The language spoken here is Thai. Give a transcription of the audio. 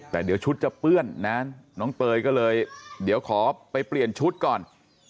แต่เดี๋ยวชุดจะเปื้อนนะน้องเตยก็เลยเดี๋ยวขอไปเปลี่ยนชุดก่อน